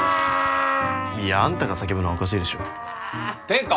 いやあんたが叫ぶのはおかしいでしょっていうか